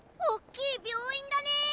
おっきい病院だね。